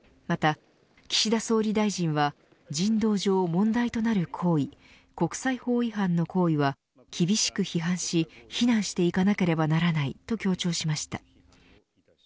また岸田総理大臣は人道上問題となる行為国際法違反の行為は厳しく批判し非難していかなければならないと強調しました。